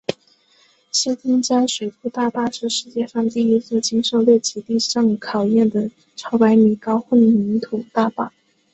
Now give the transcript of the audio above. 新丰江水库大坝是世界上第一座经受六级地震考验的超百米高混凝土大坝。